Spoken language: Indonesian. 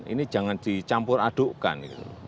ini jangan dicampur adukkan